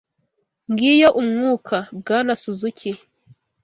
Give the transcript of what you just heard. Ngiyo umwuka, Bwana Suzuki.